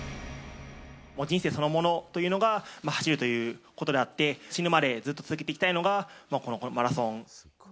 もう人生そのものというのが、走るということであって、死ぬまでずっと続けていきたいのが、このマラソン。